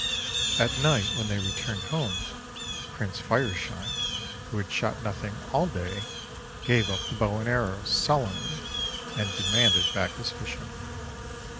At night, when they returned home, Prince Fireshine, who had shot nothing all day, gave up the bow and arrows sullenly, and demanded back his fish hook.